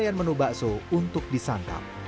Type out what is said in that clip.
pakaian menu bakso untuk disantap